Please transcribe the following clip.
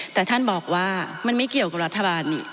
แต่ท่านบอกว่ามันไม่เกี่ยวกับรัฐบาลนี่